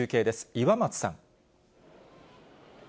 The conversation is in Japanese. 岩松さん。